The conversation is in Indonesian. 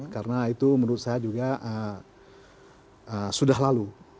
karena itu menurut saya juga sudah lalu